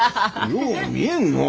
よう見えんのう。